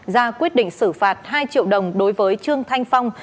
ra quyết định xử phạt hai triệu đồng đối với trương thanh phong